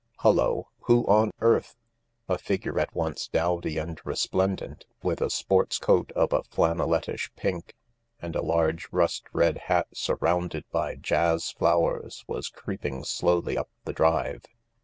Hullo ... who on earth ..." A figure at once dowdy and resplendent, with a sports coat of a flannellettish pink and a large rust red hat surrounded by jazz flowers was creeping slowly up the drive.